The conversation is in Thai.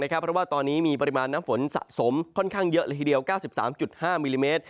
เพราะว่าตอนนี้มีปริมาณน้ำฝนสะสมค่อนข้างเยอะละทีเดียว๙๓๕มิลลิเมตร